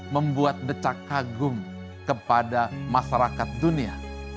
membuat decak kagum kepada masyarakat dunia